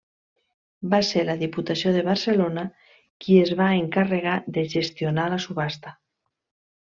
Va ser la Diputació de Barcelona qui es va encarregar de gestionar la subhasta.